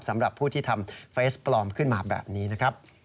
สำหรับผู้ที่ทำเฟสปลอมขึ้นมาแบบนี้นะครับ